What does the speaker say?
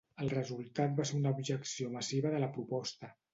El resultat va ser una objecció massiva a la proposta.